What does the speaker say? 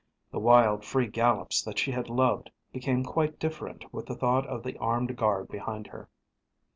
The wild, free gallops that she had loved became quite different with the thought of the armed guard behind her.